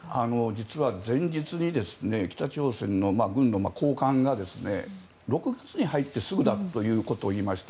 実は前日に北朝鮮の軍の高官が６月に入ってすぐだということを言いました。